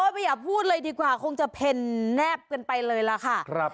ไม่อยากพูดเลยดีกว่าคงจะเพ่นแนบกันไปเลยล่ะค่ะ